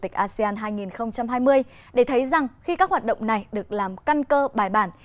các hoạt động văn hóa nghệ thuật diễn ra trong năm chủ tịch asean hai nghìn hai mươi để thấy rằng khi các hoạt động này được làm căn cơ bài bản